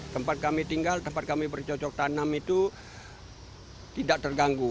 tempat kami tinggal tempat kami bercocok tanam itu tidak terganggu